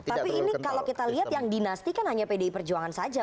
tapi ini kalau kita lihat yang dinasti kan hanya pdi perjuangan saja